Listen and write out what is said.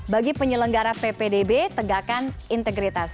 bagi penyelenggara ppdb tegakkan integritas